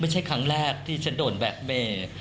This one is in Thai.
ไม่ใช่ครั้งแรกที่ฉันโดนแบ็คเมย์